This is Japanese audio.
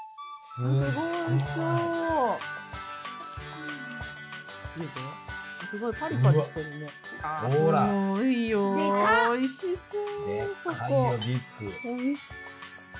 すごいよおいしそう。